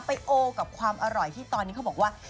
โอกับความอร่อยที่ตอนนี้เขาบอกว่า